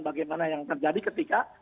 bagaimana yang terjadi ketika